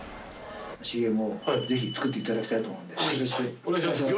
ＣＭをぜひ作っていただきたいと思うんでよろしくお願いします。